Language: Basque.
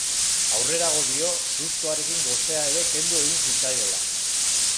Aurrerago dio sustoarekin gosea ere kendu egin zitzaiola.